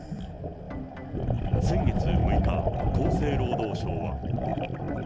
先月６日、厚生労働省は。